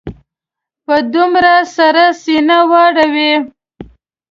په دومره سړه سینه واوري.